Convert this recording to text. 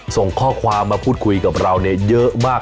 ส่งข้อความมาพูดคุยกับเราเยอะมาก